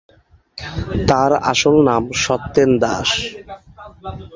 তার আসল নাম সত্যেন দাস।